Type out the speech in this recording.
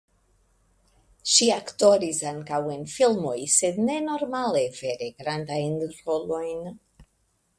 Ŝi aktoris ankaŭ en filmoj sed ne normale vere grandajn rolojn.